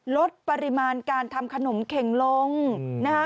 ลดปริมาณการทำขนมเข็งลงนะคะ